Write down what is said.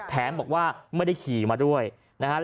แถมบอกว่าไม่ได้ขี่มาด้วยนะครับ